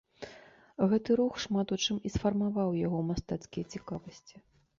Гэты рух шмат у чым і сфармаваў яго мастацкія цікавасці.